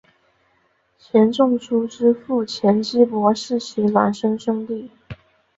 钱钟书之父钱基博是其孪生兄弟。